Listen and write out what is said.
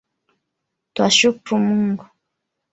Twashkuru Mungu?